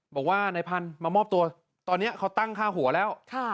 บอกว่านายพันธุ์มามอบตัวตอนนี้เขาตั้งค่าหัวแล้ว